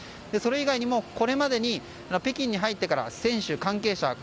それ以外にもこれまでに北京に入ってから選手、関係者